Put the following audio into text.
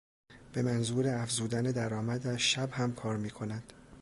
به منظور افزودن درآمدش شب هم کار میکند.